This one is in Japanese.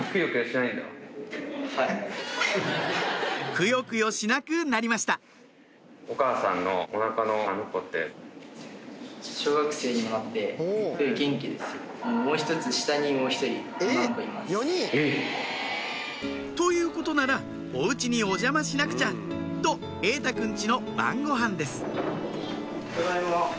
クヨクヨしなくなりましたえっ！ということならお家にお邪魔しなくちゃと瑛太君ちの晩ご飯ですただいま。